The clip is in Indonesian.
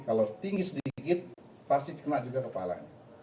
kalau tinggi sedikit pasti kena juga kepalanya